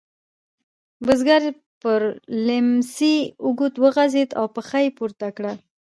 بزګر پر لیهمڅي اوږد وغځېد او پښه یې پورته کړه.